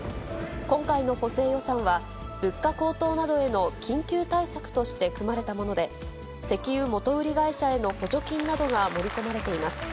今回の補正予算は、物価高騰などへの緊急対策として組まれたもので、石油元売り会社への補助金などが盛り込まれています。